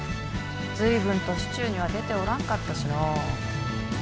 随分と市中には出ておらんかったしの。